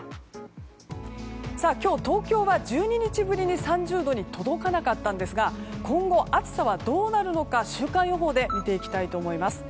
今日、東京は１２日ぶりに３０度に届かなかったんですが今後、暑さはどうなるのか週間予報で見ていきたいと思います。